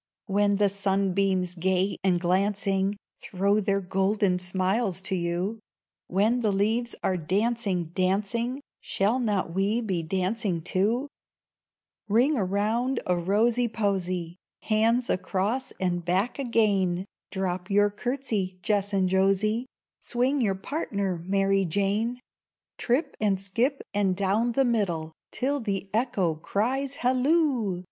When the sunbeams gay and glancing Throw their golden smiles to you, When the leaves are dancing, dancing, Shall not we be dancing, too? Ring around a rosy posy! Hands across and back again! Drop your courtesy, Jess and Josie; Swing your partner, Mary Jane! Trip and skip, and down the middle, Till the Echo cries, "Halloo!